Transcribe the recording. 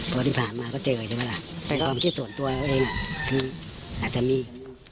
พอที่ผ่านมาก็เจอใช่ไหมล่ะเป็นความคิดส่วนตัวเขาเองอาจจะมี